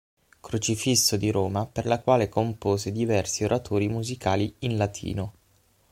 Crocifisso di Roma per la quale compose diversi oratori musicali in latino.